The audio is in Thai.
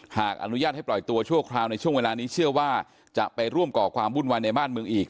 หากอนุญาตให้ปล่อยตัวชั่วคราวในช่วงเวลานี้เชื่อว่าจะไปร่วมก่อความวุ่นวายในบ้านเมืองอีก